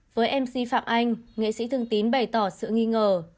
với mc phạm anh nghệ sĩ thường tín bày tỏ sự nghi ngờ